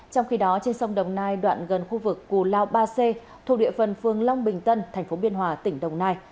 trong khi đó trên sông đồng nai đoạn gần khu vực cù lao ba c thuộc địa phần phương long bình tân tp biên hòa tỉnh đồng nai